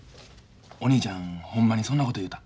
お兄ちゃんほんまにそんなこと言うたん？